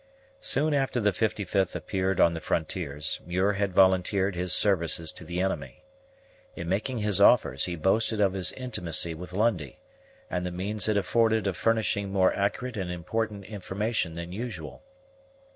Soon after the 55th appeared on the frontiers, Muir had volunteered his services to the enemy. In making his offers, he boasted of his intimacy with Lundie, and of the means it afforded of furnishing more accurate and important information than usual.